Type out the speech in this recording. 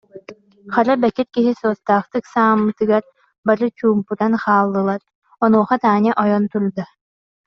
хара бэкир киһи суостаахтык сааммытыгар бары чуумпуран хааллылар, онуоха Таня ойон турда: